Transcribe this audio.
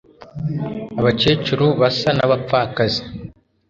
Abakecuru basa nabapfakazi